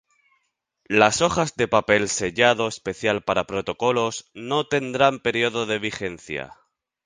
Las hojas de Papel Sellado Especial para Protocolos, no tendrán periodo de vigencia".